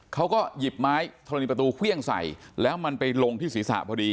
เขาก็หยิบไม้ธรณีประตูเครื่องใส่แล้วมันไปลงที่ศีรษะพอดี